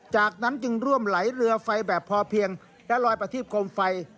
จากนั้นจึงร่วมไหลเรือไฟแบบพอเพียงและลอยประทีบโคมไฟ